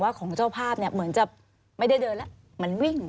ของเจ้าภาพเนี่ยเหมือนจะไม่ได้เดินแล้วเหมือนวิ่ง